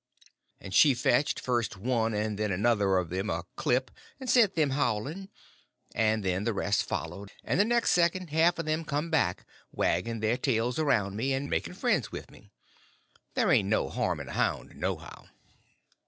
and she fetched first one and then another of them a clip and sent them howling, and then the rest followed; and the next second half of them come back, wagging their tails around me, and making friends with me. There ain't no harm in a hound, nohow.